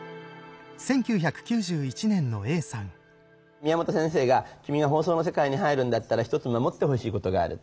宮本先生が君が放送の世界に入るんだったら一つ守ってほしいことがある。